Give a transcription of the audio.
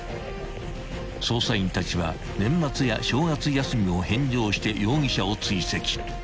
［捜査員たちは年末や正月休みを返上して容疑者を追跡］